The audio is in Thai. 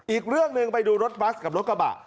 อีกเรื่องหนึ่งไปดูรถบัสกับรถกระบะ